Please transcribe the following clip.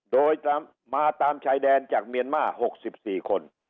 โดยมาตามชายแดนจากเมียนมาร์๖๔คน